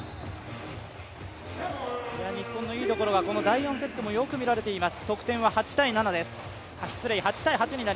日本のいいところが第４セットもよく見られています。